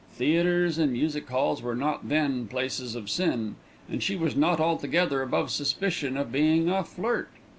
Theatres and music halls were not then "places of sin"; and she was not altogether above suspicion of being a flirt.